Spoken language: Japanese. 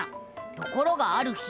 ところがある日。